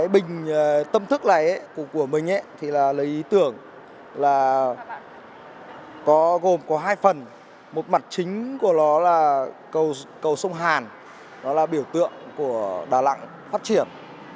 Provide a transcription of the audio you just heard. bình tâm thức của mình là lời ý tưởng gồm có hai phần một mặt chính của nó là cầu sông hàn